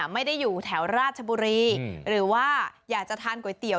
ไม่ได้อยู่แถวราชบุรีหรือว่าอยากจะทานก๋วยเตี๋ย